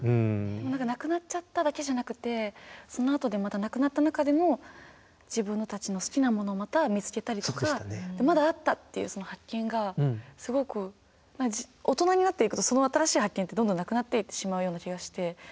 何かなくなっちゃっただけじゃなくてそのあとでまたなくなった中でも自分たちの好きなものをまた見つけたりとかまだあったっていう発見がすごく大人になっていくとその新しい発見ってどんどんなくなっていってしまうような気がして。